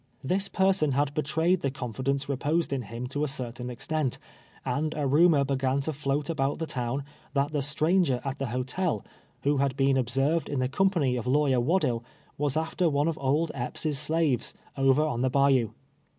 Tliis per son had betrayed the confidence reposed in him to a certain extent, and a rumor began to float about the town, that the stranger at the hotel, who had been observed in the company of lawyer Waddill, was after one of old Epps' slaves, over on the bayou.